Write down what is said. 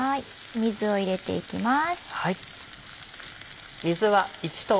水を入れていきます。